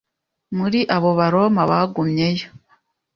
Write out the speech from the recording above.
Muri abo Baroma bagumyeyo